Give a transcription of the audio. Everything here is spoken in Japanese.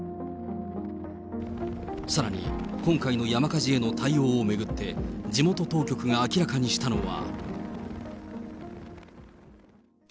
さらに、今回の山火事への対応を巡って、地元当局が明らかにしたのは。